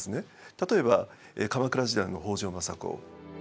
例えば鎌倉時代の北条政子。